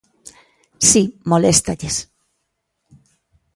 Si, moléstalles.